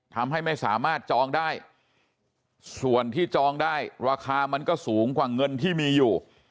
ทำให้ไม่สามารถจองได้ส่วนที่จองได้ราคามันก็สูงกว่าเงินที่มีอยู่